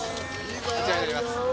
こちらになります。